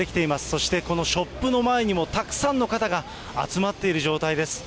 そしてこのショップの前にもたくさんの方が集まっている状態です。